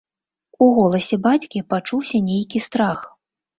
У голасе бацькі пачуўся нейкі страх.